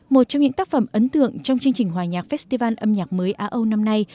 một trong những tác phẩm ấn tượng trong chương trình hòa nhạc festival âm nhạc mới á âu năm nay